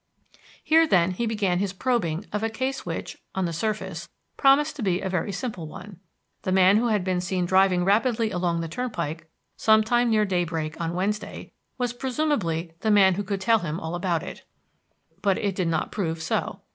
Here, then, he began his probing of a case which, on the surface, promised to be a very simple one. The man who had been seen driving rapidly along the turnpike sometime near daybreak, on Wednesday, was presumably the man who could tell him all about it. But it did not prove so.